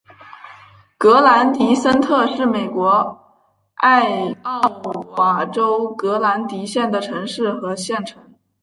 格兰迪森特是美国艾奥瓦州格兰迪县的城市和县城。